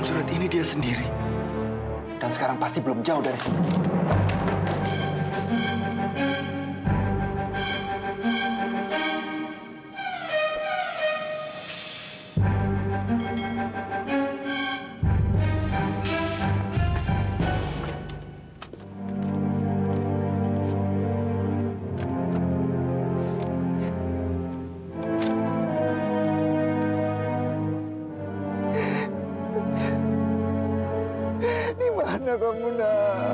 sudah saatnya papa melupakan masa lalu